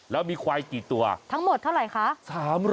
แล้วมีควายกี่ตัวทั้งหมดเท่าไหร่คะ